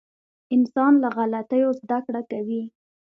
• انسان له غلطیو زده کړه کوي.